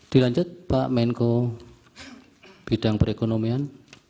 dilanjut pak menko bidang perekonomian